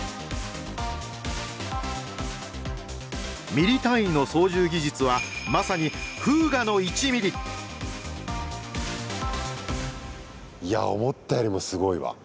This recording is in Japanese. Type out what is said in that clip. ミリ単位の操縦技術はまさにいや思ったよりもすごいわ。